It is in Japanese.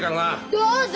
どうぞ。